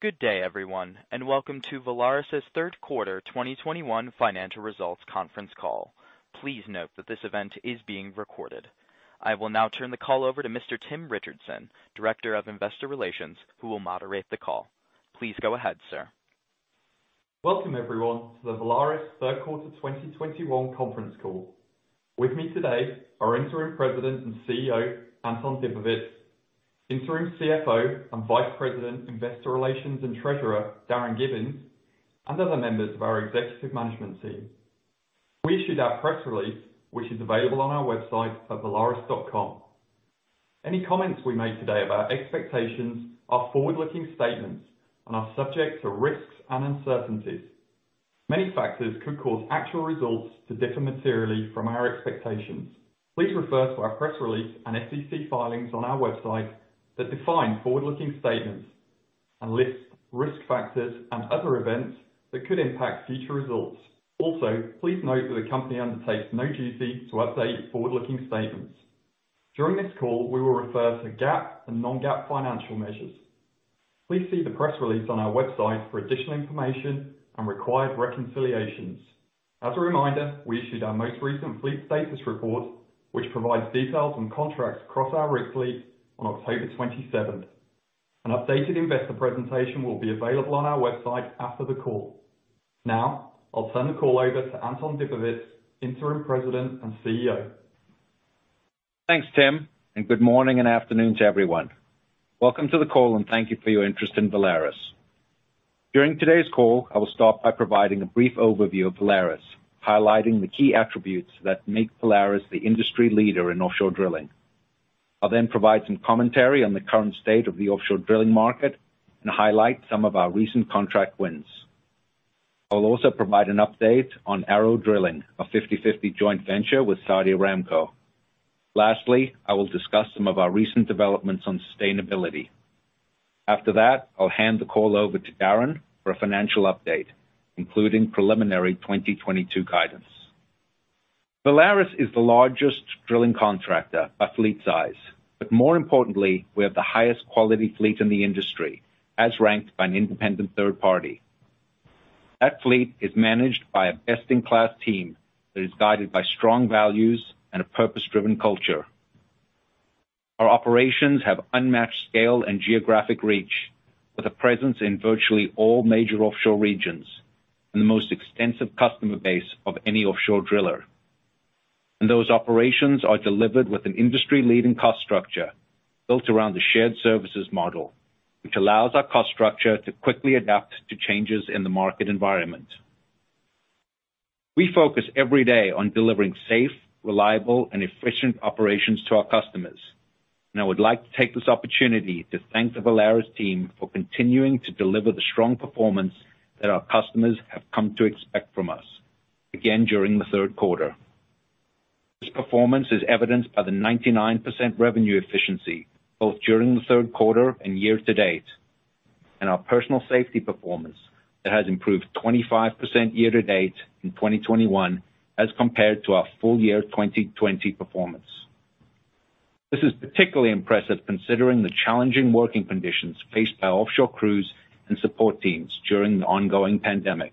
Good day, everyone, and welcome to Valaris's third quarter 2021 financial results conference call. Please note that this event is being recorded. I will now turn the call over to Mr. Tim Richardson, Director of Investor Relations, who will moderate the call. Please go ahead, sir. Welcome, everyone, to the Valaris third quarter 2021 conference call. With me today are Interim President and CEO, Anton Dibowitz, Interim CFO and Vice President, Investor Relations and Treasurer, Darin Gibbins, and other members of our executive management team. We issued our press release, which is available on our website at valaris.com. Any comments we make today about expectations are forward-looking statements and are subject to risks and uncertainties. Many factors could cause actual results to differ materially from our expectations. Please refer to our press release and SEC filings on our website that define forward-looking statements and list risk factors and other events that could impact future results. Also, please note that the company undertakes no duty to update forward-looking statements. During this call, we will refer to GAAP and non-GAAP financial measures. Please see the press release on our website for additional information and required reconciliations. As a reminder, we issued our most recent fleet status report, which provides details on contracts across our rig fleet on October 27th. An updated investor presentation will be available on our website after the call. Now, I'll turn the call over to Anton Dibowitz, Interim President and CEO. Thanks, Tim, and good morning and afternoon to everyone. Welcome to the call, and thank you for your interest in Valaris. During today's call, I will start by providing a brief overview of Valaris, highlighting the key attributes that make Valaris the industry leader in offshore drilling. I'll then provide some commentary on the current state of the offshore drilling market and highlight some of our recent contract wins. I will also provide an update on ARO Drilling, a 50/50 joint venture with Saudi Aramco. Lastly, I will discuss some of our recent developments on sustainability. After that, I'll hand the call over to Darin for a financial update, including preliminary 2022 guidance. Valaris is the largest drilling contractor by fleet size, but more importantly, we have the highest quality fleet in the industry, as ranked by an independent third party. That fleet is managed by a best-in-class team that is guided by strong values and a purpose-driven culture. Our operations have unmatched scale and geographic reach, with a presence in virtually all major offshore regions and the most extensive customer base of any offshore driller. Those operations are delivered with an industry-leading cost structure built around the shared services model, which allows our cost structure to quickly adapt to changes in the market environment. We focus every day on delivering safe, reliable, and efficient operations to our customers, and I would like to take this opportunity to thank the Valaris team for continuing to deliver the strong performance that our customers have come to expect from us, again during the third quarter. This performance is evidenced by the 99% revenue efficiency, both during the third quarter and year-to-date, and our personal safety performance that has improved 25% year-to-date in 2021 as compared to our full year 2020 performance. This is particularly impressive considering the challenging working conditions faced by offshore crews and support teams during the ongoing pandemic.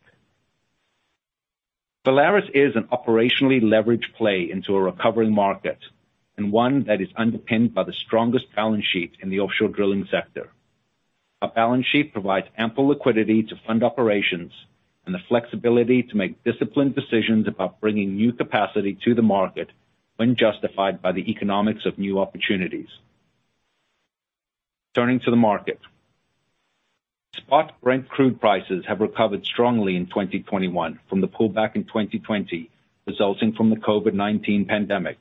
Valaris is an operationally leveraged play into a recovering market and one that is underpinned by the strongest balance sheet in the offshore drilling sector. Our balance sheet provides ample liquidity to fund operations and the flexibility to make disciplined decisions about bringing new capacity to the market when justified by the economics of new opportunities. Turning to the market. Spot Brent crude prices have recovered strongly in 2021 from the pullback in 2020, resulting from the COVID-19 pandemic.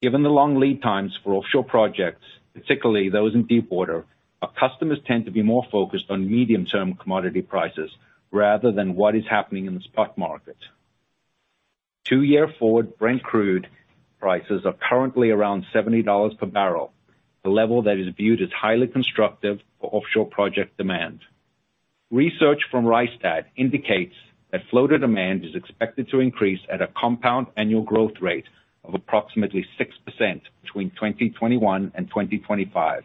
Given the long lead times for offshore projects, particularly those in deepwater, our customers tend to be more focused on medium-term commodity prices rather than what is happening in the spot market. Two-year forward Brent crude prices are currently around $70 per barrel, the level that is viewed as highly constructive for offshore project demand. Research from Rystad indicates that floater demand is expected to increase at a compound annual growth rate of approximately 6% between 2021 and 2025,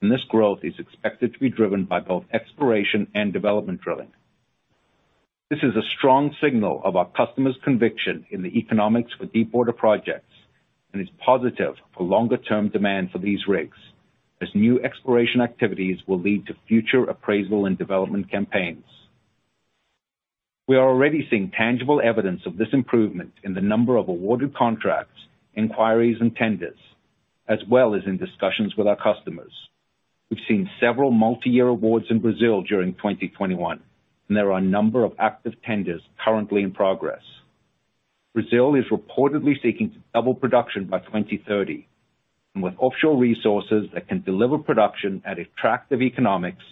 and this growth is expected to be driven by both exploration and development drilling. This is a strong signal of our customers' conviction in the economics for deepwater projects and is positive for longer-term demand for these rigs, as new exploration activities will lead to future appraisal and development campaigns. We are already seeing tangible evidence of this improvement in the number of awarded contracts, inquiries, and tenders, as well as in discussions with our customers. We've seen several multi-year awards in Brazil during 2021, and there are a number of active tenders currently in progress. Brazil is reportedly seeking to double production by 2030, and with offshore resources that can deliver production at attractive economics,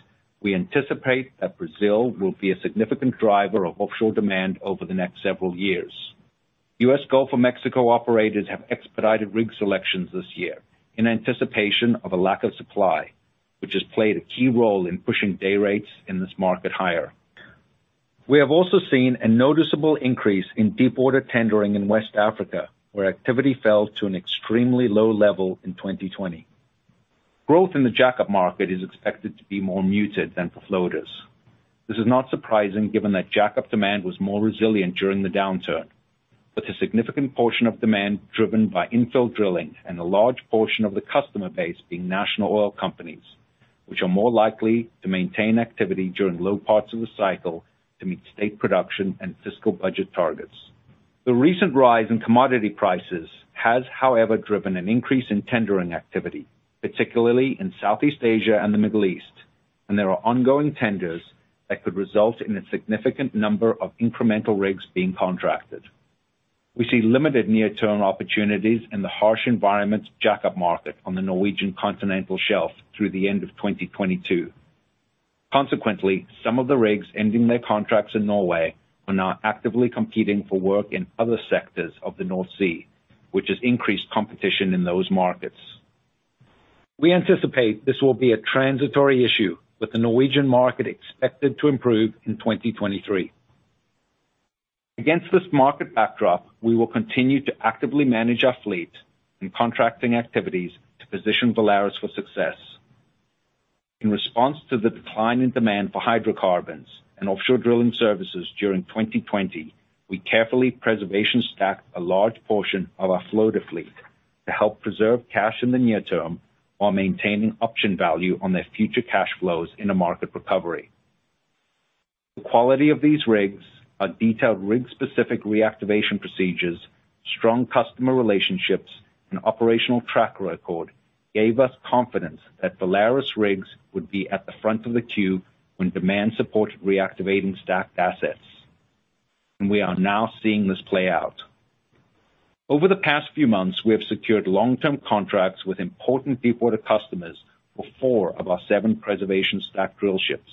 we anticipate that Brazil will be a significant driver of offshore demand over the next several years. U.S. Gulf of Mexico operators have expedited rig selections this year in anticipation of a lack of supply, which has played a key role in pushing day rates in this market higher. We have also seen a noticeable increase in deepwater tendering in West Africa, where activity fell to an extremely low level in 2020. Growth in the jackup market is expected to be more muted than for floaters. This is not surprising given that jackup demand was more resilient during the downturn, with a significant portion of demand driven by infill drilling and a large portion of the customer base being national oil companies, which are more likely to maintain activity during low parts of the cycle to meet state production and fiscal budget targets. The recent rise in commodity prices has, however, driven an increase in tendering activity, particularly in Southeast Asia and the Middle East, and there are ongoing tenders that could result in a significant number of incremental rigs being contracted. We see limited near-term opportunities in the harsh environments jackup market on the Norwegian continental shelf through the end of 2022. Consequently, some of the rigs ending their contracts in Norway are now actively competing for work in other sectors of the North Sea, which has increased competition in those markets. We anticipate this will be a transitory issue, with the Norwegian market expected to improve in 2023. Against this market backdrop, we will continue to actively manage our fleet and contracting activities to position Valaris for success. In response to the decline in demand for hydrocarbons and offshore drilling services during 2020, we carefully preservation stacked a large portion of our floater fleet to help preserve cash in the near term while maintaining option value on their future cash flows in a market recovery. The quality of these rigs, our detailed rig-specific reactivation procedures, strong customer relationships, and operational track record gave us confidence that Valaris rigs would be at the front of the queue when demand supported reactivating stacked assets. We are now seeing this play out. Over the past few months, we have secured long-term contracts with important deepwater customers for four of our seven preservation stacked drillships.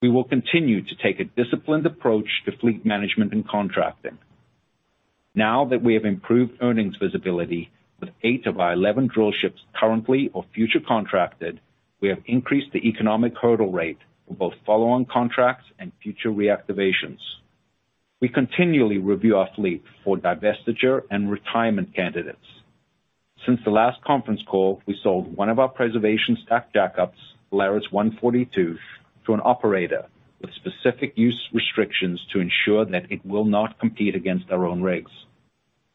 We will continue to take a disciplined approach to fleet management and contracting. Now that we have improved earnings visibility with eight of our 11 drillships currently or future contracted, we have increased the economic hurdle rate for both follow-on contracts and future reactivations. We continually review our fleet for divestiture and retirement candidates. Since the last conference call, we sold one of our preservation stacked jackups, VALARIS 142, to an operator with specific use restrictions to ensure that it will not compete against our own rigs.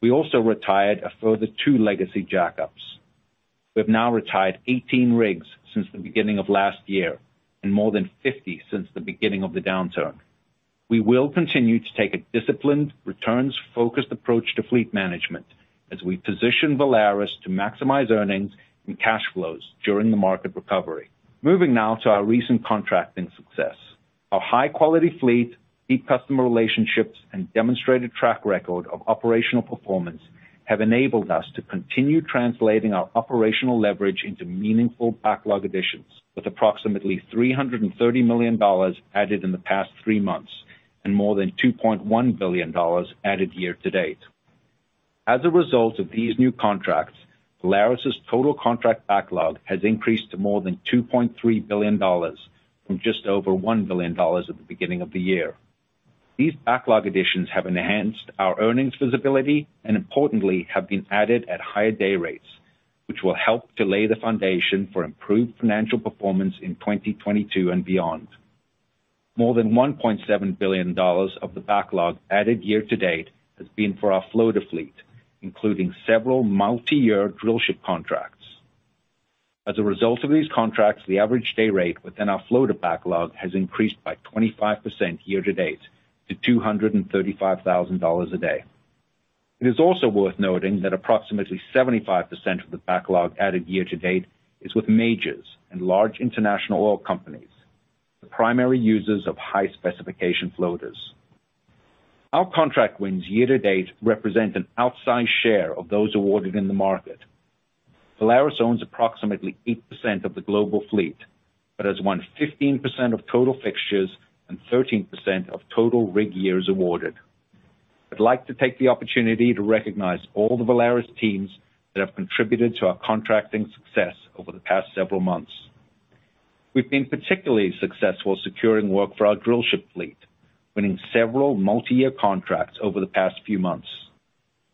We also retired a further two legacy jackups. We have now retired 18 rigs since the beginning of last year and more than 50 since the beginning of the downturn. We will continue to take a disciplined, returns-focused approach to fleet management as we position Valaris to maximize earnings and cash flows during the market recovery. Moving now to our recent contracting success. Our high-quality fleet, deep customer relationships, and demonstrated track record of operational performance have enabled us to continue translating our operational leverage into meaningful backlog additions, with approximately $330 million added in the past three months and more than $2.1 billion added year to date. As a result of these new contracts, Valaris' total contract backlog has increased to more than $2.3 billion from just over $1 billion at the beginning of the year. These backlog additions have enhanced our earnings visibility and importantly, have been added at higher day rates, which will help to lay the foundation for improved financial performance in 2022 and beyond. More than $1.7 billion of the backlog added year-to-date has been for our floater fleet, including several multiyear drillship contracts. As a result of these contracts, the average day rate within our floater backlog has increased by 25% year-to-date to $235,000 a day. It is also worth noting that approximately 75% of the backlog added year to date is with majors and large international oil companies, the primary users of high-specification floaters. Our contract wins year to date represent an outsized share of those awarded in the market. Valaris owns approximately 8% of the global fleet, but has won 15% of total fixtures and 13% of total rig years awarded. I'd like to take the opportunity to recognize all the Valaris teams that have contributed to our contracting success over the past several months. We've been particularly successful securing work for our drillship fleet, winning several multiyear contracts over the past few months.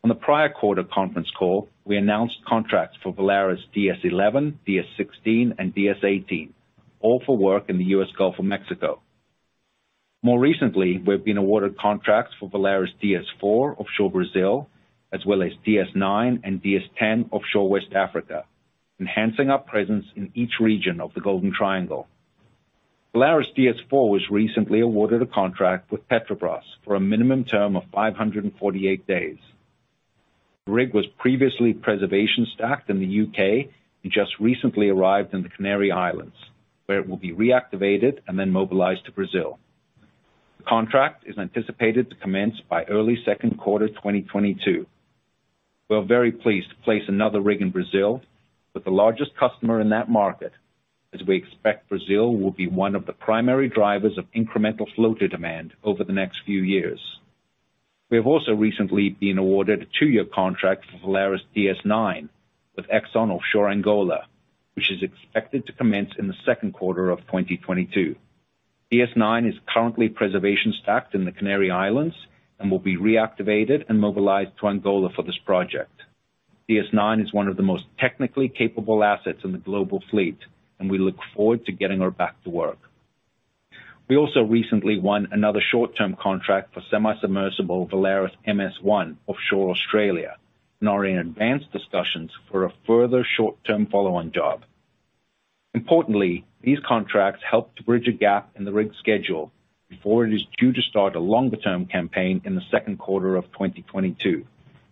On the prior quarter conference call, we announced contracts for VALARIS DS-11, DS-16, and DS-18, all for work in the U.S. Gulf of Mexico. More recently, we've been awarded contracts for Valaris DS-4 offshore Brazil, as well as DS-9 and DS-10 offshore West Africa, enhancing our presence in each region of the Golden Triangle. Valaris DS-4 was recently awarded a contract with Petrobras for a minimum term of 548 days. The rig was previously preservation-stacked in the U.K. and just recently arrived in the Canary Islands, where it will be reactivated and then mobilized to Brazil. The contract is anticipated to commence by early second quarter 2022. We are very pleased to place another rig in Brazil with the largest customer in that market, as we expect Brazil will be one of the primary drivers of incremental floater demand over the next few years. We have also recently been awarded a two-year contract for VALARIS DS-9 with Exxon Offshore Angola, which is expected to commence in the second quarter of 2022. DS-9 is currently preservation stacked in the Canary Islands and will be reactivated and mobilized to Angola for this project. DS-9 is one of the most technically capable assets in the global fleet, and we look forward to getting her back to work. We also recently won another short-term contract for semi-submersible VALARIS MS-1 offshore Australia, and are in advanced discussions for a further short-term follow-on job. Importantly, these contracts help to bridge a gap in the rig schedule before it is due to start a longer-term campaign in the second quarter of 2022,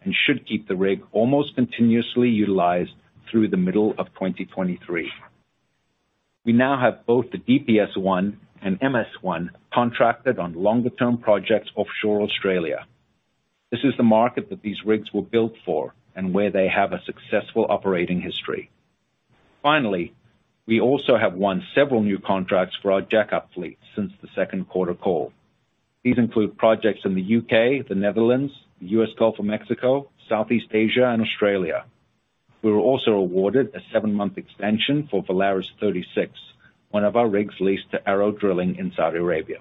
and should keep the rig almost continuously utilized through the middle of 2023. We now have both the DPS-1 and MS-1 contracted on longer-term projects offshore Australia. This is the market that these rigs were built for and where they have a successful operating history. Finally, we also have won several new contracts for our jack-up fleet since the second quarter call. These include projects in the U.K., the Netherlands, U.S. Gulf of Mexico, Southeast Asia and Australia. We were also awarded a 7-month extension for VALARIS 36, one of our rigs leased to ARO Drilling in Saudi Arabia.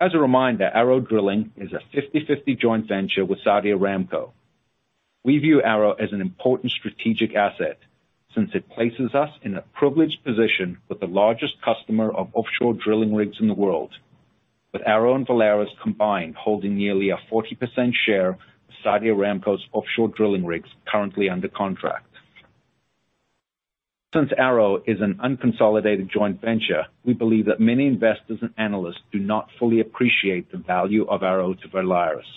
As a reminder, ARO Drilling is a 50/50 joint venture with Saudi Aramco. We view ARO as an important strategic asset since it places us in a privileged position with the largest customer of offshore drilling rigs in the world, with ARO and Valaris combined holding nearly a 40% share of Saudi Aramco's offshore drilling rigs currently under contract. Since ARO is an unconsolidated joint venture, we believe that many investors and analysts do not fully appreciate the value of ARO to Valaris.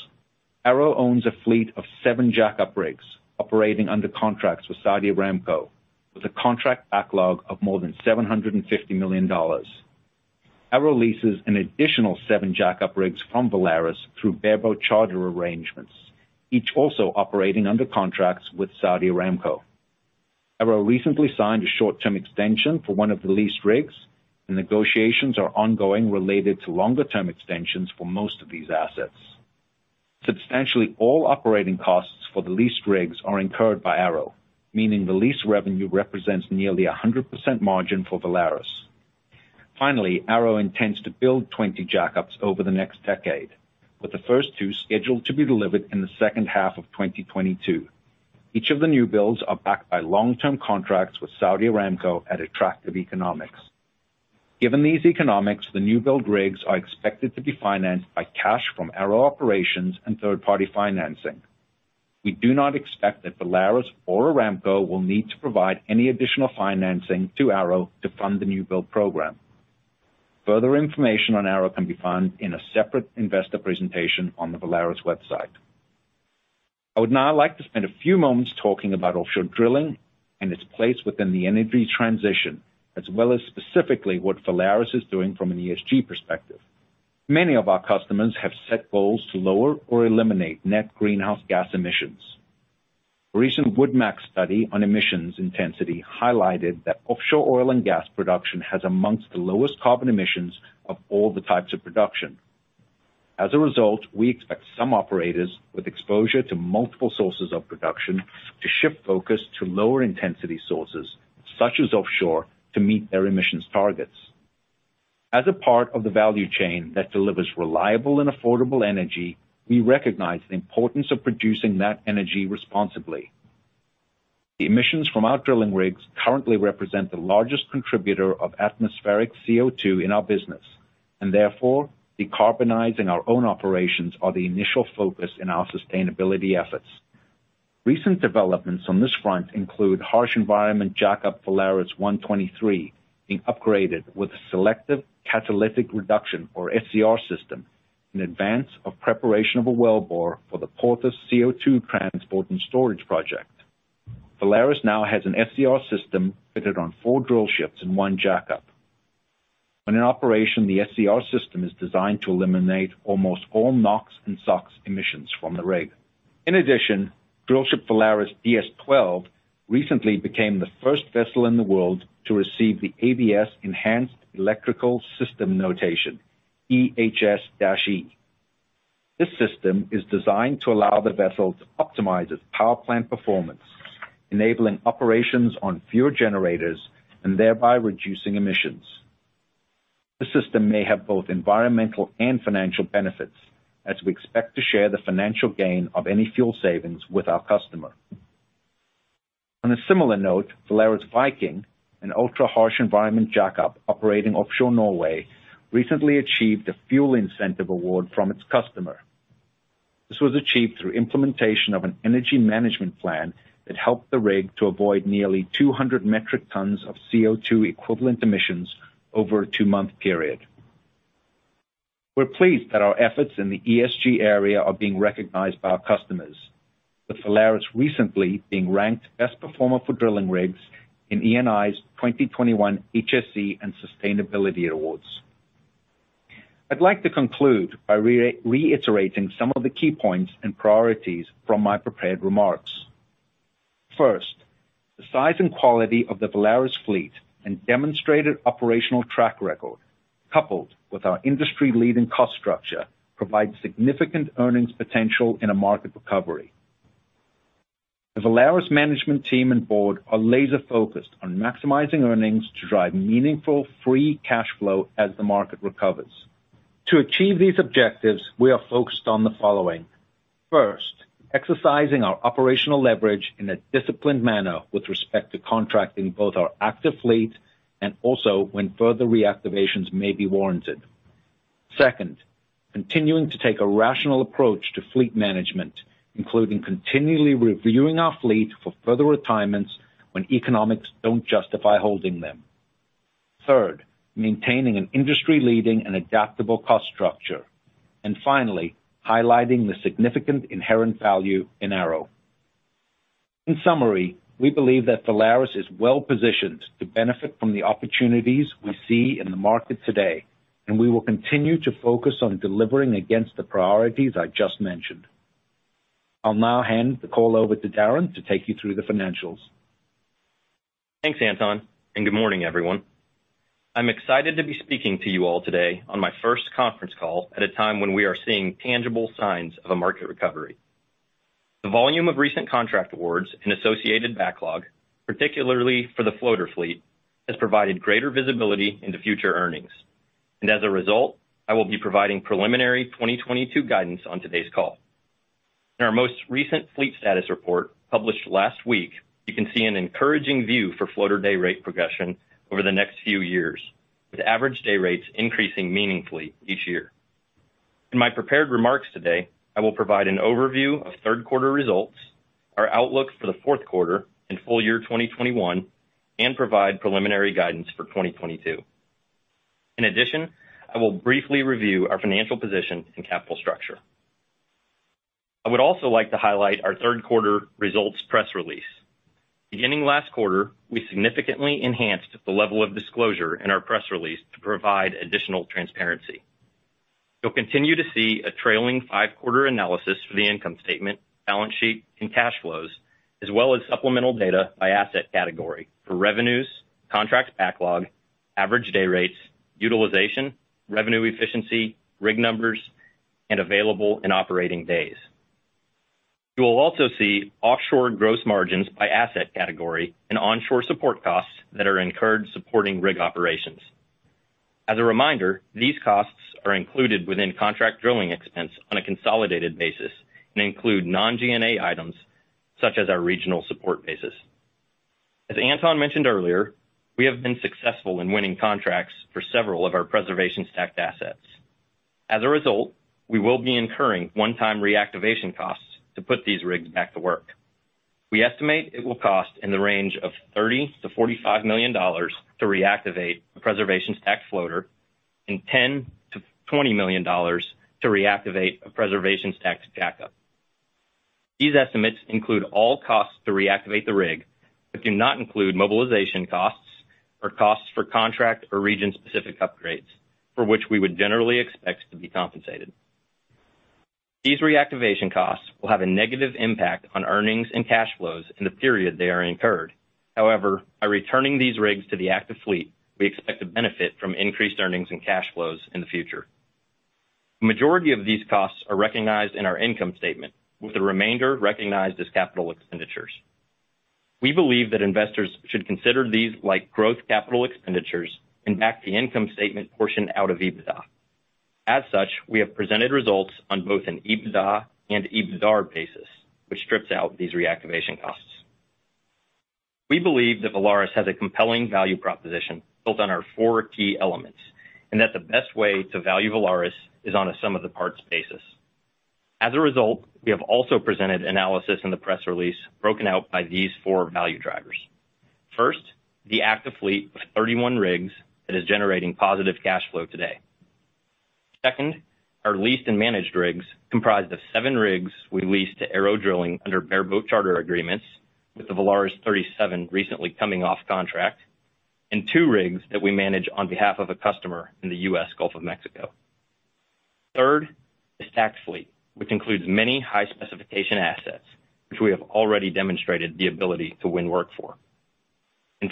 ARO owns a fleet of seven jack-up rigs operating under contracts with Saudi Aramco, with a contract backlog of more than $750 million. ARO leases an additional seven jack-up rigs from Valaris through bareboat charter arrangements, each also operating under contracts with Saudi Aramco. ARO recently signed a short-term extension for one of the leased rigs, and negotiations are ongoing related to longer-term extensions for most of these assets. Substantially all operating costs for the leased rigs are incurred by ARO, meaning the lease revenue represents nearly 100% margin for Valaris. Finally, ARO intends to build 20 jack-ups over the next decade, with the first two scheduled to be delivered in the second half of 2022. Each of the new builds are backed by long-term contracts with Saudi Aramco at attractive economics. Given these economics, the new build rigs are expected to be financed by cash from ARO operations and third-party financing. We do not expect that Valaris or Aramco will need to provide any additional financing to ARO to fund the new build program. Further information on ARO can be found in a separate investor presentation on valaris.com. I would now like to spend a few moments talking about offshore drilling and its place within the energy transition, as well as specifically what Valaris is doing from an ESG perspective. Many of our customers have set goals to lower or eliminate net greenhouse gas emissions. A recent WoodMac study on emissions intensity highlighted that offshore oil and gas production has among the lowest carbon emissions of all the types of production. As a result, we expect some operators with exposure to multiple sources of production to shift focus to lower intensity sources such as offshore, to meet their emissions targets. As a part of the value chain that delivers reliable and affordable energy, we recognize the importance of producing that energy responsibly. The emissions from our drilling rigs currently represent the largest contributor of atmospheric CO2 in our business, and therefore, decarbonizing our own operations are the initial focus in our sustainability efforts. Recent developments on this front include harsh environment jackup VALARIS 123 being upgraded with a selective catalytic reduction or SCR system in advance of preparation of a wellbore for the Porthos CO2 transport and storage project. Valaris now has an SCR system fitted on four drillships and one jackup. When in operation, the SCR system is designed to eliminate almost all NOx and SOx emissions from the rig. In addition, drillship VALARIS DS-12 recently became the first vessel in the world to receive the ABS Enhanced Electrical System Notation, EHS-E. This system is designed to allow the vessel to optimize its power plant performance, enabling operations on fewer generators and thereby reducing emissions. The system may have both environmental and financial benefits, as we expect to share the financial gain of any fuel savings with our customer. On a similar note, VALARIS Viking, an ultra-harsh environment jack-up operating offshore Norway, recently achieved a fuel incentive award from its customer. This was achieved through implementation of an energy management plan that helped the rig to avoid nearly 200 metric tons of CO2 equivalent emissions over a two-month period. We're pleased that our efforts in the ESG area are being recognized by our customers, with Valaris recently being ranked best performer for drilling rigs in Eni's 2021 HSE and Sustainability Awards. I'd like to conclude by reiterating some of the key points and priorities from my prepared remarks. First, the size and quality of the Valaris fleet and demonstrated operational track record, coupled with our industry-leading cost structure, provides significant earnings potential in a market recovery. The Valaris management team and board are laser-focused on maximizing earnings to drive meaningful free cash flow as the market recovers. To achieve these objectives, we are focused on the following. First, exercising our operational leverage in a disciplined manner with respect to contracting both our active fleet and also when further reactivations may be warranted. Second, continuing to take a rational approach to fleet management, including continually reviewing our fleet for further retirements when economics don't justify holding them. Third, maintaining an industry-leading and adaptable cost structure. Finally, highlighting the significant inherent value in ARO. In summary, we believe that Valaris is well-positioned to benefit from the opportunities we see in the market today, and we will continue to focus on delivering against the priorities I just mentioned. I'll now hand the call over to Darren to take you through the financials. Thanks, Anton, and good morning, everyone. I'm excited to be speaking to you all today on my first conference call at a time when we are seeing tangible signs of a market recovery. The volume of recent contract awards and associated backlog, particularly for the floater fleet, has provided greater visibility into future earnings. As a result, I will be providing preliminary 2022 guidance on today's call. In our most recent fleet status report published last week, you can see an encouraging view for floater day rate progression over the next few years, with average day rates increasing meaningfully each year. In my prepared remarks today, I will provide an overview of third quarter results, our outlook for the fourth quarter and full year 2021, and provide preliminary guidance for 2022. In addition, I will briefly review our financial position and capital structure. I would also like to highlight our third quarter results press release. Beginning last quarter, we significantly enhanced the level of disclosure in our press release to provide additional transparency. You'll continue to see a trailing five-quarter analysis for the income statement, balance sheet and cash flows, as well as supplemental data by asset category for revenues, contracts backlog, average day rates, utilization, revenue efficiency, rig numbers, and available and operating days. You will also see offshore gross margins by asset category and onshore support costs that are incurred supporting rig operations. As a reminder, these costs are included within contract drilling expense on a consolidated basis and include non-G&A items such as our regional support bases. As Anton mentioned earlier, we have been successful in winning contracts for several of our preservation stacked assets. As a result, we will be incurring one-time reactivation costs to put these rigs back to work. We estimate it will cost in the range of $30 million-$45 million to reactivate a preservation stacked floater and $10 million-$20 million to reactivate a preservation stacked jack-up. These estimates include all costs to reactivate the rig, but do not include mobilization costs or costs for contract or region-specific upgrades, for which we would generally expect to be compensated. These reactivation costs will have a negative impact on earnings and cash flows in the period they are incurred. However, by returning these rigs to the active fleet, we expect to benefit from increased earnings and cash flows in the future. The majority of these costs are recognized in our income statement, with the remainder recognized as capital expenditures. We believe that investors should consider these like growth capital expenditures and back the income statement portion out of EBITDA. As such, we have presented results on both an EBITDA and EBITDAR basis, which strips out these reactivation costs. We believe that Valaris has a compelling value proposition built on our four key elements, and that the best way to value Valaris is on a sum of the parts basis. As a result, we have also presented analysis in the press release broken out by these four value drivers. First, the active fleet of 31 rigs that is generating positive cash flow today. Second, our leased and managed rigs comprised of seven rigs we leased to ARO Drilling under bare boat charter agreements, with the VALARIS JU-37 recently coming off contract, and two rigs that we manage on behalf of a customer in the U.S. Gulf of Mexico. Third is stacked fleet, which includes many high-specification assets, which we have already demonstrated the ability to win work for.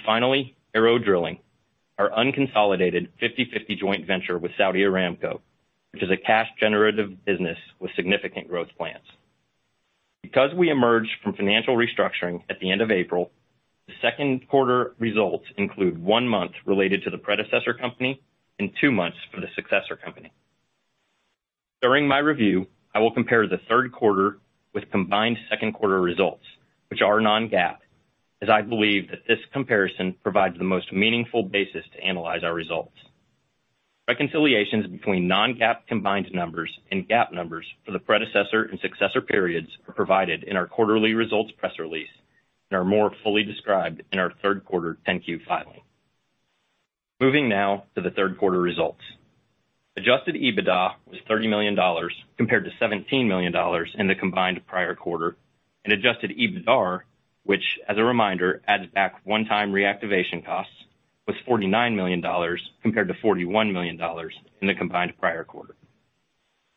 Finally, ARO Drilling, our unconsolidated 50/50 joint venture with Saudi Aramco, which is a cash-generative business with significant growth plans. Because we emerged from financial restructuring at the end of April, the second quarter results include one month related to the predecessor company and two months for the successor company. During my review, I will compare the third quarter with combined second quarter results, which are non-GAAP, as I believe that this comparison provides the most meaningful basis to analyze our results. Reconciliations between non-GAAP combined numbers and GAAP numbers for the predecessor and successor periods are provided in our quarterly results press release and are more fully described in our third quarter 10-Q filing. Moving now to the third quarter results. Adjusted EBITDA was $30 million compared to $17 million in the combined prior quarter, and adjusted EBITDAR, which, as a reminder, adds back one-time reactivation costs, was $49 million compared to $41 million in the combined prior quarter.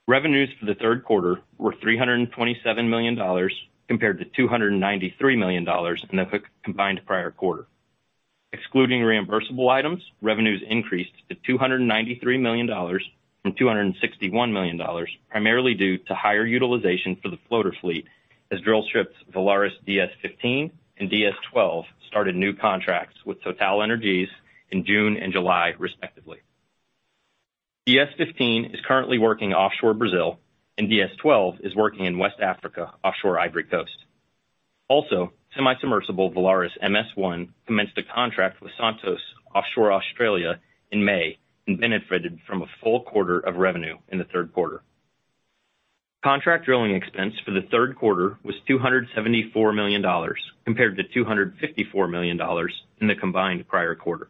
Revenues for the third quarter were $327 million compared to $293 million in the combined prior quarter. Excluding reimbursable items, revenues increased to $293 million from $261 million, primarily due to higher utilization for the floater fleet as drillships VALARIS DS-15 and DS-12 started new contracts with TotalEnergies in June and July respectively. DS-15 is currently working offshore Brazil, and DS-12 is working in West Africa, offshore Ivory Coast. Semi-submersible VALARIS MS-1 commenced a contract with Santos offshore Australia in May and benefited from a full quarter of revenue in the third quarter. Contract drilling expense for the third quarter was $274 million compared to $254 million in the combined prior quarter.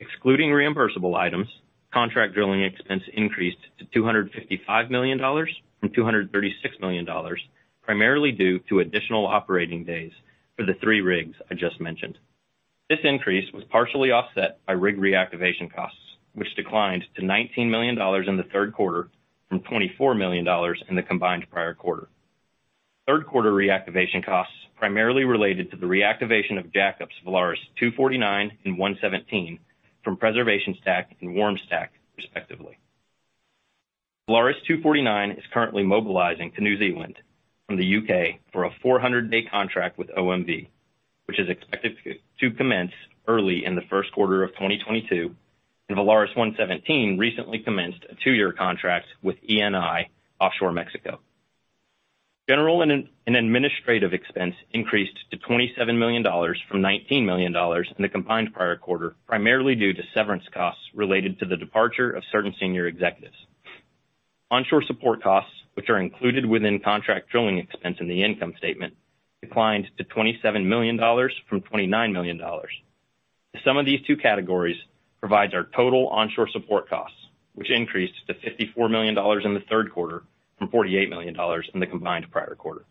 Excluding reimbursable items, contract drilling expense increased to $255 million from $236 million, primarily due to additional operating days for the three rigs I just mentioned. This increase was partially offset by rig reactivation costs, which declined to $19 million in the third quarter from $24 million in the combined prior quarter. Third quarter reactivation costs primarily related to the reactivation of jackups VALARIS 249 and 117 from preservation stack and warm stack, respectively. VALARIS 249 is currently mobilizing to New Zealand from the U.K. for a 400-day contract with OMV, which is expected to commence early in the first quarter of 2022, and VALARIS 117 recently commenced a two-year contract with Eni offshore Mexico. General and administrative expense increased to $27 million from $19 million in the combined prior quarter, primarily due to severance costs related to the departure of certain senior executives. Onshore support costs, which are included within contract drilling expense in the income statement, declined to $27 million from $29 million. The sum of these two categories provides our total onshore support costs, which increased to $54 million in the third quarter from $48 million in the combined prior quarter.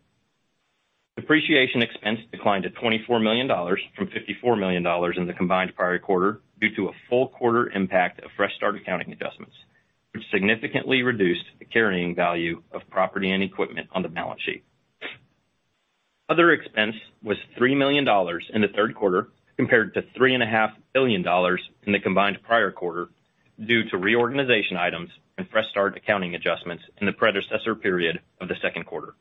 Depreciation expense declined to $24 million from $54 million in the combined prior quarter due to a full quarter impact of fresh start accounting adjustments, which significantly reduced the carrying value of property and equipment on the balance sheet. Other expense was $3 million in the third quarter compared to $3.5 billion in the combined prior quarter, due to reorganization items and fresh start accounting adjustments in the predecessor period of the second quarter.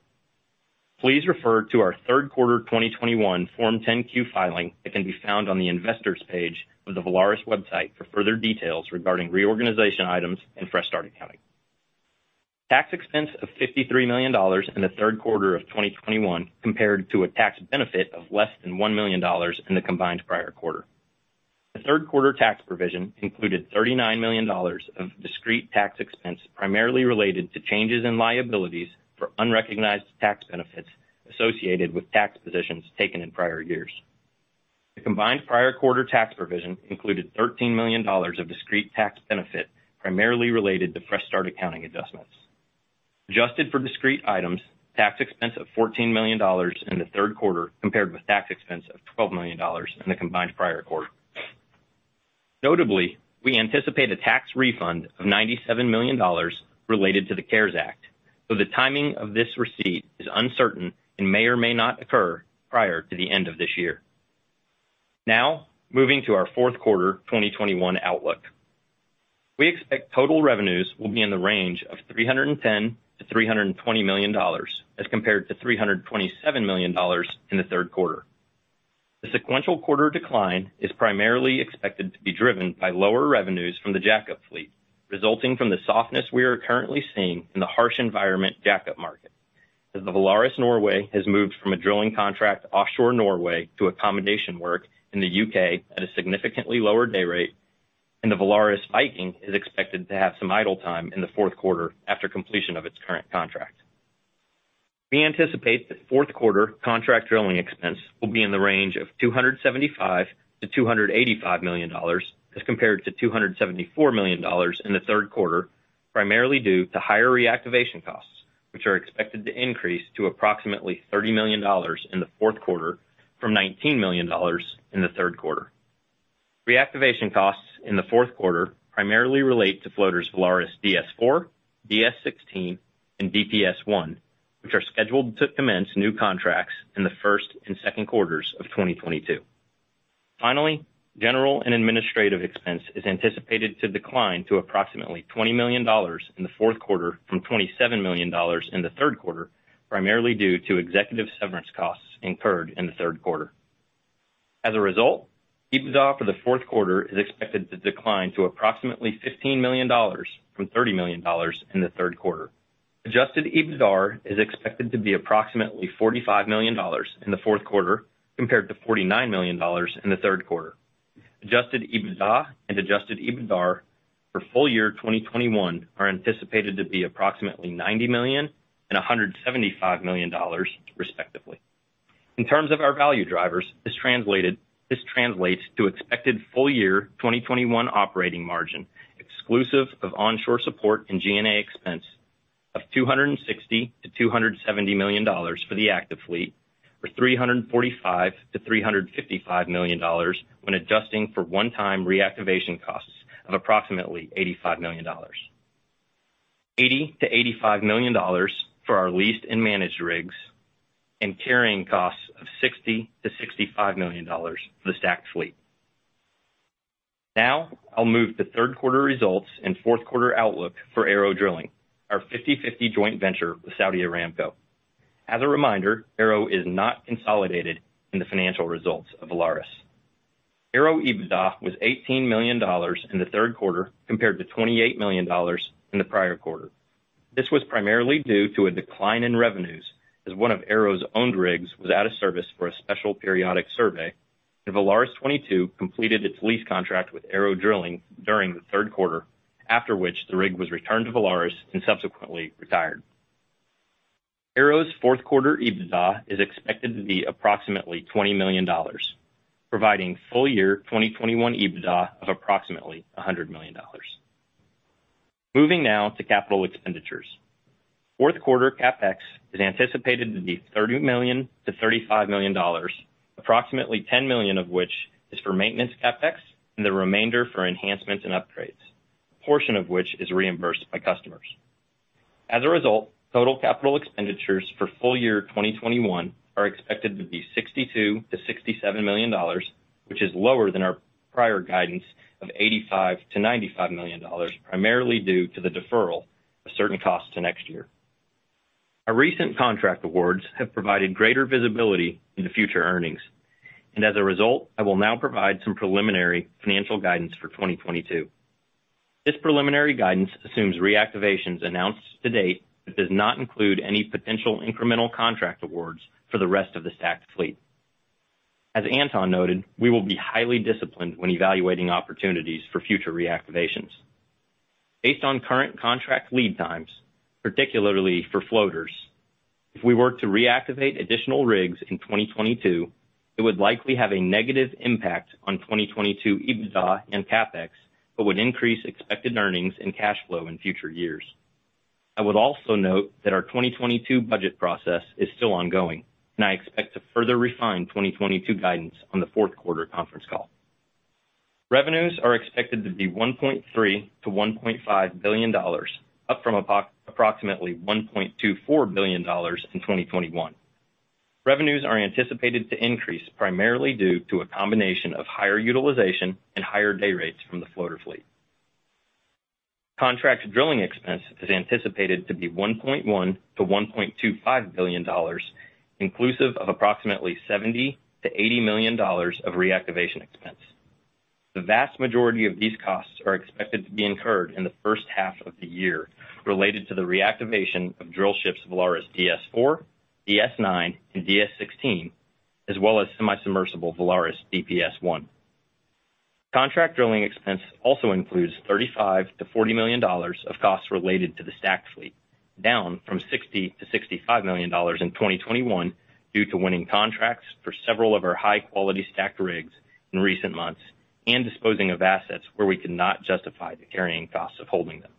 Please refer to our third quarter 2021 Form 10-Q filing that can be found on the Investors page of the Valaris website for further details regarding reorganization items and fresh start accounting. Tax expense of $53 million in the third quarter of 2021 compared to a tax benefit of less than $1 million in the combined prior quarter. The third quarter tax provision included $39 million of discrete tax expense primarily related to changes in liabilities for unrecognized tax benefits associated with tax positions taken in prior years. The combined prior quarter tax provision included $13 million of discrete tax benefit, primarily related to fresh start accounting adjustments. Adjusted for discrete items, tax expense of $14 million in the third quarter compared with tax expense of $12 million in the combined prior quarter. Notably, we anticipate a tax refund of $97 million related to the CARES Act, though the timing of this receipt is uncertain and may or may not occur prior to the end of this year. Now, moving to our fourth quarter 2021 outlook. We expect total revenues will be in the range of $310 million-$320 million as compared to $327 million in the third quarter. The sequential quarter decline is primarily expected to be driven by lower revenues from the jack-up fleet, resulting from the softness we are currently seeing in the harsh environment jack-up market as the VALARIS Norway has moved from a drilling contract offshore Norway to accommodation work in the U.K. at a significantly lower day rate, and the VALARIS Viking is expected to have some idle time in the fourth quarter after completion of its current contract. We anticipate that fourth quarter contract drilling expense will be in the range of $275 million-$285 million as compared to $274 million in the third quarter, primarily due to higher reactivation costs, which are expected to increase to approximately $30 million in the fourth quarter from $19 million in the third quarter. Reactivation costs in the fourth quarter primarily relate to floaters Valaris DS-4, DS-16, and DPS-1, which are scheduled to commence new contracts in the first and second quarters of 2022. Finally, general and administrative expense is anticipated to decline to approximately $20 million in the fourth quarter from $27 million in the third quarter, primarily due to executive severance costs incurred in the third quarter. As a result, EBITDA for the fourth quarter is expected to decline to approximately $15 million from $30 million in the third quarter. Adjusted EBITDAR is expected to be approximately $45 million in the fourth quarter compared to $49 million in the third quarter. Adjusted EBITDA and Adjusted EBITDAR for full year 2021 are anticipated to be approximately $90 million and $175 million, respectively. In terms of our value drivers, this translates to expected full year 2021 operating margin exclusive of onshore support and G&A expense of $260 million-$270 million for the active fleet. For $345 million-$355 million when adjusting for one-time reactivation costs of approximately $85 million. $80 million-$85 million for our leased and managed rigs, and carrying costs of $60 million-$65 million for the stacked fleet. Now I'll move to third quarter results and fourth quarter outlook for ARO Drilling, our 50/50 joint venture with Saudi Aramco. As a reminder, ARO is not consolidated in the financial results of Valaris. ARO EBITDA was $18 million in the third quarter compared to $28 million in the prior quarter. This was primarily due to a decline in revenues as one of ARO's owned rigs was out of service for a special periodic survey, and VALARIS 22 completed its lease contract with ARO Drilling during the third quarter, after which the rig was returned to Valaris and subsequently retired. ARO's fourth quarter EBITDA is expected to be approximately $20 million, providing full year 2021 EBITDA of approximately $100 million. Moving now to capital expenditures. Fourth quarter CapEx is anticipated to be $30 million-$35 million, approximately $10 million of which is for maintenance CapEx and the remainder for enhancements and upgrades, a portion of which is reimbursed by customers. As a result, total capital expenditures for full year 2021 are expected to be $62 million-$67 million, which is lower than our prior guidance of $85 million-$95 million, primarily due to the deferral of certain costs to next year. Our recent contract awards have provided greater visibility into future earnings, and as a result, I will now provide some preliminary financial guidance for 2022. This preliminary guidance assumes reactivations announced to date but does not include any potential incremental contract awards for the rest of the stacked fleet. As Anton noted, we will be highly disciplined when evaluating opportunities for future reactivations. Based on current contract lead times, particularly for floaters, if we were to reactivate additional rigs in 2022, it would likely have a negative impact on 2022 EBITDA and CapEx, but would increase expected earnings and cash flow in future years. I would also note that our 2022 budget process is still ongoing, and I expect to further refine 2022 guidance on the fourth quarter conference call. Revenues are expected to be $1.3 billion-$1.5 billion, up from approximately $1.24 billion in 2021. Revenues are anticipated to increase primarily due to a combination of higher utilization and higher day rates from the floater fleet. Contract drilling expense is anticipated to be $1.1 billion-$1.25 billion, inclusive of approximately $70 million-$80 million of reactivation expense. The vast majority of these costs are expected to be incurred in the first half of the year related to the reactivation of drill ships VALARIS DS-4, DS-9, and DS-16, as well as semi-submersible VALARIS DPS-1. Contract drilling expense also includes $35 million-$40 million of costs related to the stacked fleet, down from $60 million-$65 million in 2021 due to winning contracts for several of our high-quality stacked rigs in recent months and disposing of assets where we could not justify the carrying costs of holding them.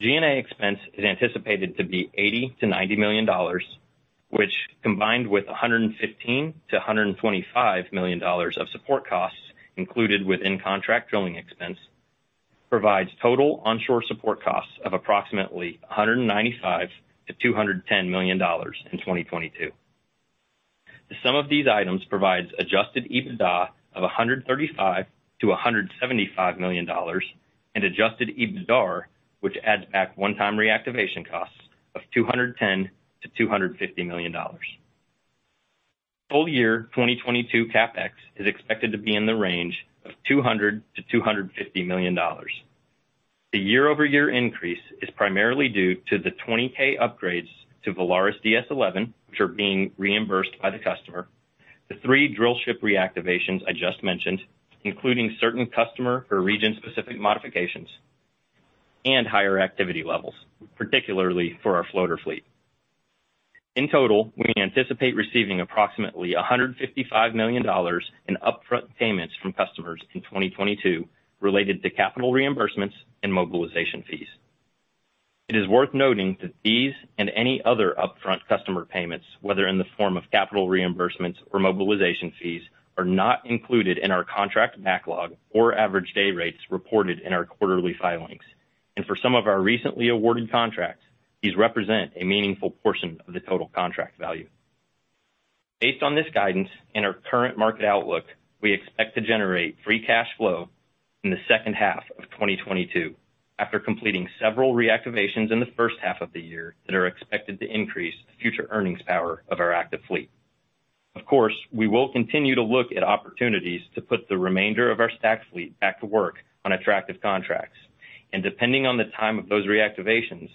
G&A expense is anticipated to be $80 million-$90 million, which, combined with $115 million-$125 million of support costs included within contract drilling expense, provides total onshore support costs of approximately $195 million-$210 million in 2022. The sum of these items provides Adjusted EBITDA of $135 million-$175 million and Adjusted EBITDA, which adds back one-time reactivation costs of $210 million-$250 million. Full year 2022 CapEx is expected to be in the range of $200 million-$250 million. The year-over-year increase is primarily due to the 20K upgrades to Valaris DS-11, which are being reimbursed by the customer, the three drill ship reactivations I just mentioned, including certain customer or region-specific modifications, and higher activity levels, particularly for our floater fleet. In total, we anticipate receiving approximately $155 million in upfront payments from customers in 2022 related to capital reimbursements and mobilization fees. It is worth noting that these and any other upfront customer payments, whether in the form of capital reimbursements or mobilization fees, are not included in our contract backlog or average day rates reported in our quarterly filings. For some of our recently awarded contracts, these represent a meaningful portion of the total contract value. Based on this guidance and our current market outlook, we expect to generate free cash flow in the second half of 2022 after completing several reactivations in the first half of the year that are expected to increase future earnings power of our active fleet. Of course, we will continue to look at opportunities to put the remainder of our stacked fleet back to work on attractive contracts. Depending on the time of those reactivations,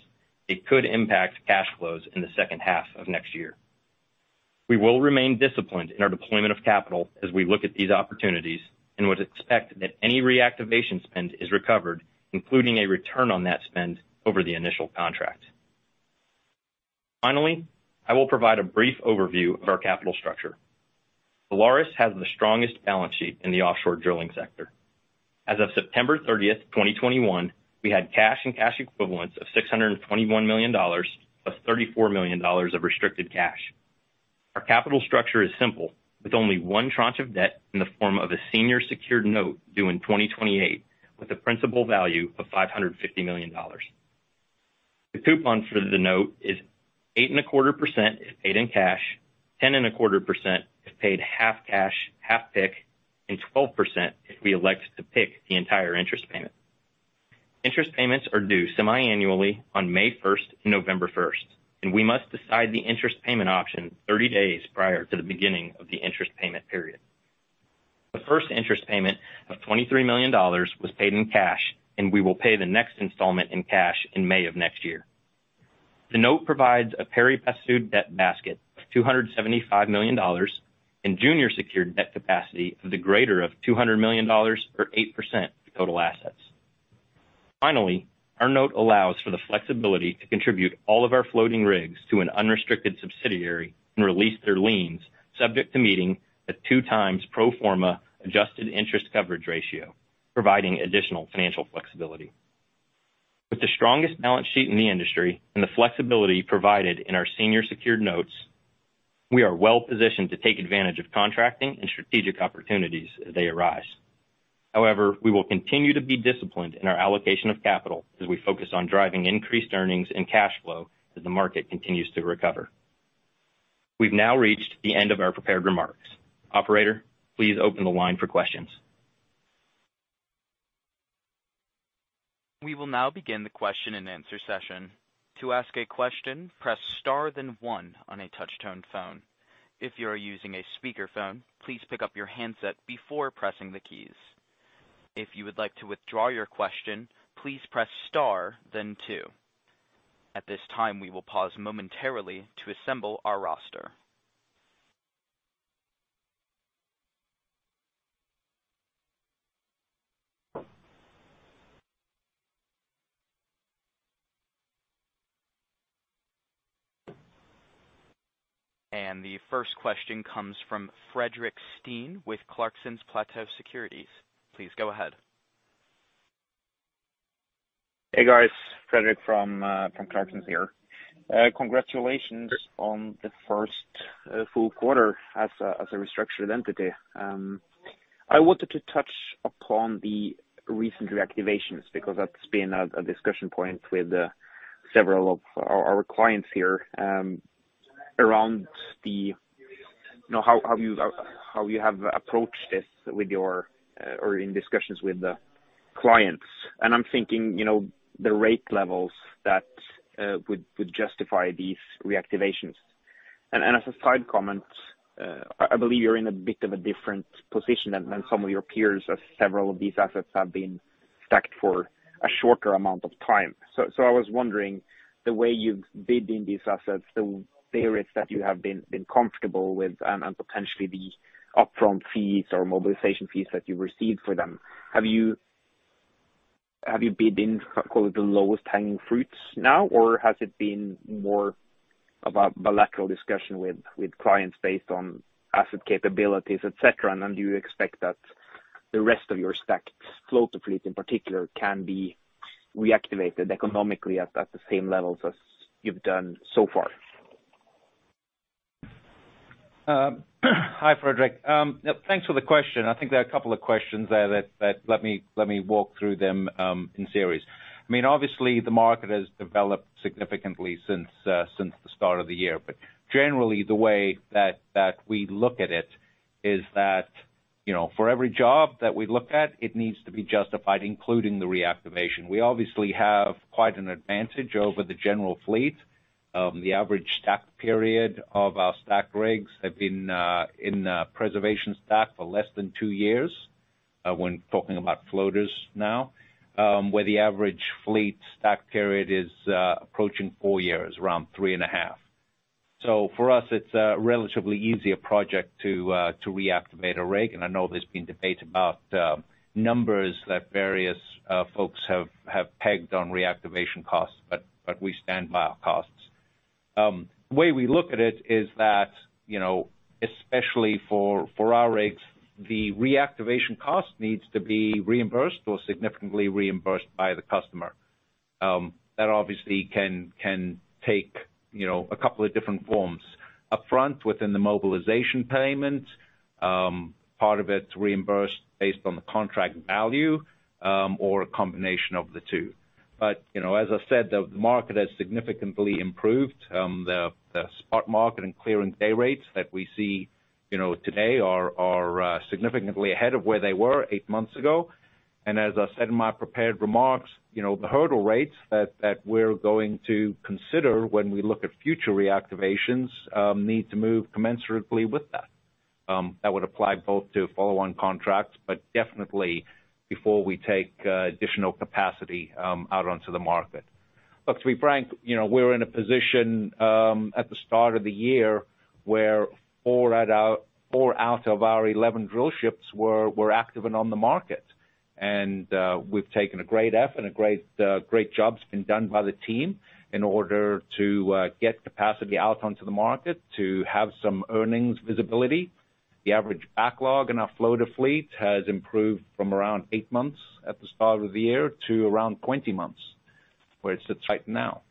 it could impact cash flows in the second half of next year. We will remain disciplined in our deployment of capital as we look at these opportunities and would expect that any reactivation spend is recovered, including a return on that spend over the initial contract. Finally, I will provide a brief overview of our capital structure. Valaris has the strongest balance sheet in the offshore drilling sector. As of September 30th, 2021, we had cash and cash equivalents of $621 million, plus $34 million of restricted cash. Our capital structure is simple, with only one tranche of debt in the form of a senior secured note due in 2028 with a principal value of $550 million. The coupon for the note is 8.25% if paid in cash, 10.25% if paid half cash, half PIK, and 12% if we elect to PIK the entire interest payment. Interest payments are due semiannually on May 1 and November 1, and we must decide the interest payment option 30 days prior to the beginning of the interest payment period. The first interest payment of $23 million was paid in cash, and we will pay the next installment in cash in May of next year. The note provides a pari passu debt basket of $275 million and junior secured debt capacity of the greater of $200 million or 8% of total assets. Finally, our note allows for the flexibility to contribute all of our floating rigs to an unrestricted subsidiary and release their liens, subject to meeting the 2x pro forma adjusted interest coverage ratio, providing additional financial flexibility. With the strongest balance sheet in the industry and the flexibility provided in our senior secured notes, we are well-positioned to take advantage of contracting and strategic opportunities as they arise. However, we will continue to be disciplined in our allocation of capital as we focus on driving increased earnings and cash flow as the market continues to recover. We've now reached the end of our prepared remarks. Operator, please open the line for questions. We will now begin the question-and-answer session. To ask a question, press star then one on a touch-tone phone. If you are using a speakerphone, please pick up your handset before pressing the keys. If you would like to withdraw your question, please press star then two. At this time, we will pause momentarily to assemble our roster. The first question comes from Fredrik Stene with Clarksons Platou Securities. Please go ahead. Hey, guys. Fredrik from Clarksons here. Congratulations on the first full quarter as a restructured entity. I wanted to touch upon the recent reactivations because that's been a discussion point with several of our clients here around, you know, how you have approached this with your or in discussions with the clients. I'm thinking, you know, the rate levels that would justify these reactivations. As a side comment, I believe you're in a bit of a different position than some of your peers, as several of these assets have been stacked for a shorter amount of time. I was wondering the way you've bid in these assets, the rates that you have been comfortable with and potentially the upfront fees or mobilization fees that you received for them. Have you bid in, call it, the lowest hanging fruits now? Or has it been more of a bilateral discussion with clients based on asset capabilities, et cetera? Do you expect that the rest of your stacked floater fleet in particular can be reactivated economically at the same levels as you've done so far? Hi, Fredrik. Thanks for the question. I think there are a couple of questions there that let me walk through them in series. I mean, obviously the market has developed significantly since the start of the year. Generally, the way that we look at it is that, you know, for every job that we look at, it needs to be justified, including the reactivation. We obviously have quite an advantage over the general fleet. The average stacked period of our stacked rigs have been in a preservation stack for less than two years when talking about floaters now, where the average fleet stacked period is approaching four years, around 3.5. For us, it's a relatively easier project to reactivate a rig. I know there's been debate about numbers that various folks have pegged on reactivation costs, but we stand by our costs. The way we look at it is that, you know, especially for our rigs, the reactivation cost needs to be reimbursed or significantly reimbursed by the customer. That obviously can take, you know, a couple of different forms. Upfront within the mobilization payment, part of it reimbursed based on the contract value, or a combination of the two. You know, as I said, the market has significantly improved. The spot market and clearing day rates that we see, you know, today are significantly ahead of where they were eight months ago. As I said in my prepared remarks, you know, the hurdle rates that we're going to consider when we look at future reactivations need to move commensurately with that. That would apply both to follow-on contracts, but definitely before we take additional capacity out onto the market. Look, to be frank, you know, we were in a position at the start of the year where four out of our 11 drillships were active and on the market. We've taken a great effort and a great job's been done by the team in order to get capacity out onto the market to have some earnings visibility. The average backlog in our floater fleet has improved from around eight months at the start of the year to around 20 months, where it sits right now.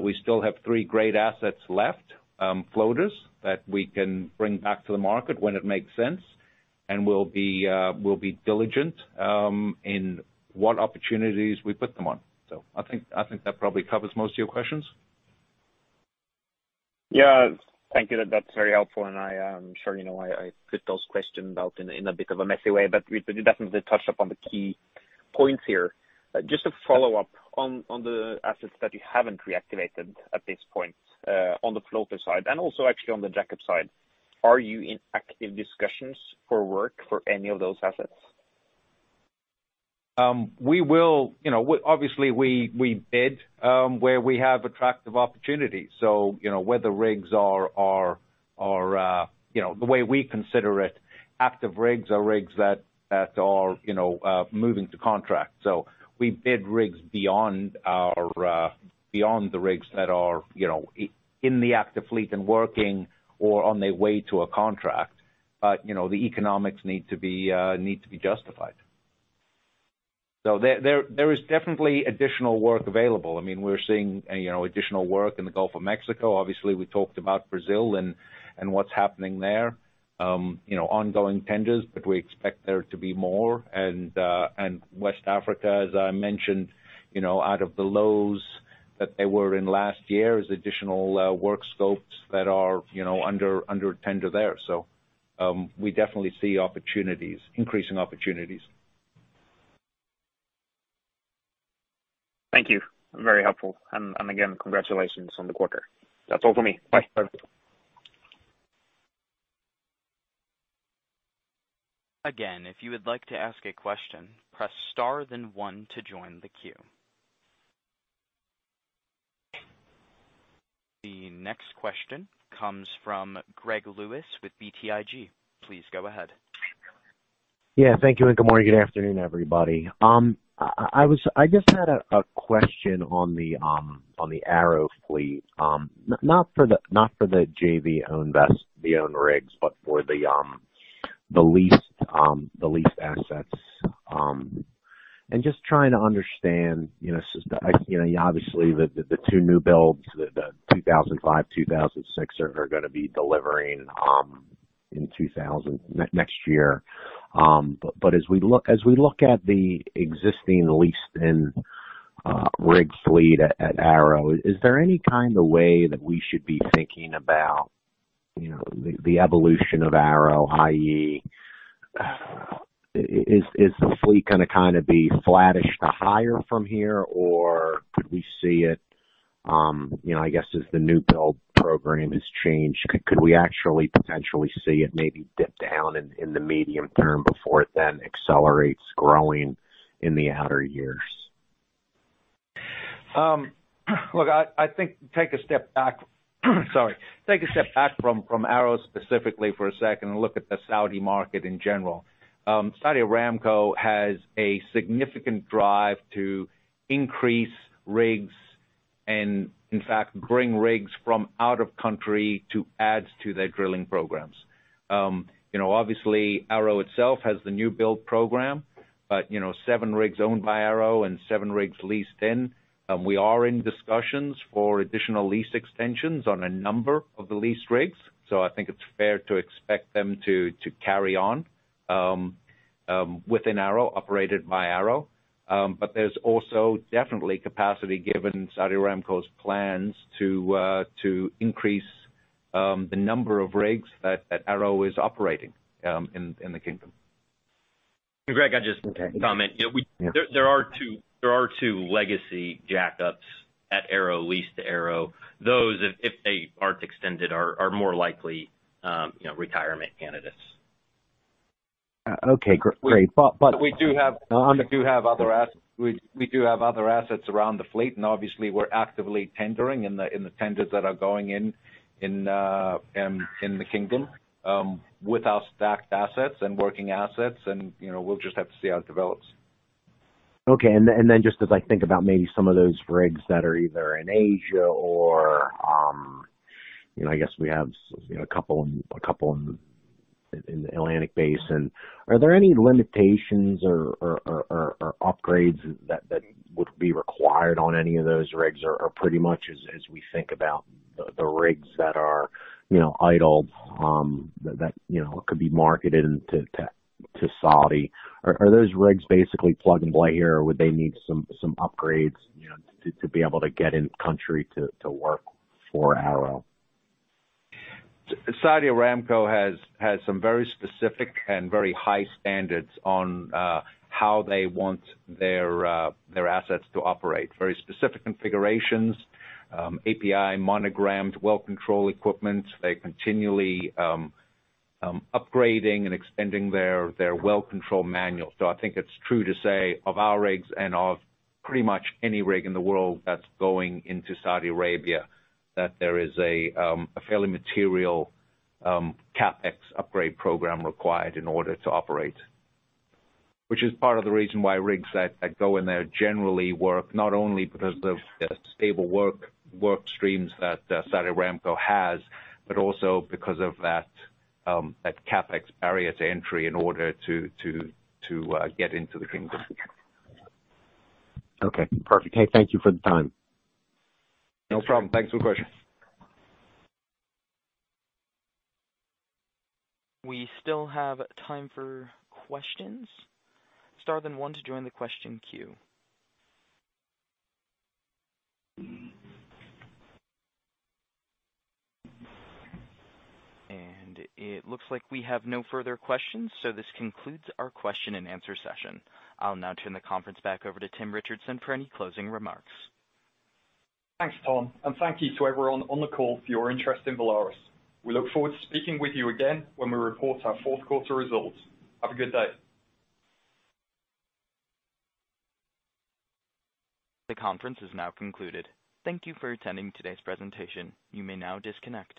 We still have three great assets left, floaters that we can bring back to the market when it makes sense. We'll be diligent in what opportunities we put them on. I think that probably covers most of your questions. Yeah. Thank you. That's very helpful. I am sure you know I put those questions out in a bit of a messy way, but we definitely touched upon the key points here. Just a follow-up on the assets that you haven't reactivated at this point, on the floater side and also actually on the jackup side. Are you in active discussions for work for any of those assets? You know, obviously, we bid where we have attractive opportunities. You know, where the rigs are, you know, the way we consider it, active rigs are rigs that are, you know, moving to contract. We bid rigs beyond the rigs that are, you know, in the active fleet and working or on their way to a contract. You know, the economics need to be justified. There is definitely additional work available. I mean, we're seeing, you know, additional work in the Gulf of Mexico. Obviously, we talked about Brazil and what's happening there, you know, ongoing tenders, but we expect there to be more. West Africa, as I mentioned, you know, out of the lows that they were in last year, there's additional work scopes that are, you know, under tender there. We definitely see opportunities, increasing opportunities. Thank you. Very helpful. Again, congratulations on the quarter. That's all for me. Bye. Bye. Again, if you would like to ask a question, press star then one to join the queue. The next question comes from Gregory Lewis with BTIG. Please go ahead. Yeah, thank you, and good morning, good afternoon, everybody. I just had a question on the ARO fleet. Not for the JV-owned owned rigs, but for the leased assets. Just trying to understand, you know, you obviously the two new builds, the 2005, 2006 are gonna be delivering in next year. As we look at the existing leased-in rig fleet at ARO, is there any kind of way that we should be thinking about, you know, the evolution of ARO, i.e., is the fleet gonna kinda be flattish to higher from here? Could we see it, you know, I guess, as the new build program is changed, could we actually potentially see it maybe dip down in the medium term before it then accelerates growing in the outer years? Take a step back from ARO specifically for a second and look at the Saudi market in general. Saudi Aramco has a significant drive to increase rigs and, in fact, bring rigs from out of country to add to their drilling programs. You know, obviously ARO itself has the new build program, but you know, seven rigs owned by ARO and seven rigs leased in. We are in discussions for additional lease extensions on a number of the leased rigs, so I think it's fair to expect them to carry on within ARO, operated by ARO. There's also definitely capacity given Saudi Aramco's plans to increase the number of rigs that ARO is operating in the kingdom. Greg, I'll just comment. Okay. Yeah. There are two legacy jackups at ARO, leased to ARO. Those, if they aren't extended, are more likely, you know, retirement candidates. Okay, great. We do have other assets around the fleet, and obviously we're actively tendering in the tenders that are going in the kingdom with our stacked assets and working assets and, you know, we'll just have to see how it develops. Okay. Just as I think about maybe some of those rigs that are either in Asia or, you know, I guess we have, you know, a couple in the Atlantic Basin. Are there any limitations or upgrades that would be required on any of those rigs or pretty much as we think about the rigs that are, you know, idle that you know could be marketed to Saudi? Are those rigs basically plug and play here or would they need some upgrades, you know, to be able to get in country to work for ARO? Saudi Aramco has some very specific and very high standards on how they want their their assets to operate. Very specific configurations, API monogrammed well control equipment. They're continually upgrading and extending their well control manual. I think it's true to say of our rigs and of pretty much any rig in the world that's going into Saudi Arabia, that there is a fairly material CapEx upgrade program required in order to operate. Which is part of the reason why rigs that go in there generally work, not only because of the stable work streams that Saudi Aramco has, but also because of that CapEx barrier to entry in order to get into the kingdom. Okay, perfect. Hey, thank you for the time. No problem. Thanks for the question. We still have time for questions. Press star then one to join the question queue. It looks like we have no further questions, so this concludes our question and answer session. I'll now turn the conference back over to Tim Richardson for any closing remarks. Thanks, Tim, and thank you to everyone on the call for your interest in Valaris. We look forward to speaking with you again when we report our fourth quarter results. Have a good day. The conference is now concluded. Thank you for attending today's presentation. You may now disconnect.